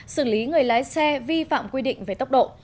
xử lý người lái xe vi phạm quy định về tốc độ